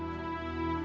esok kamu mau makan